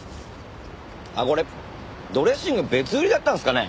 あっこれドレッシング別売りだったんですかね。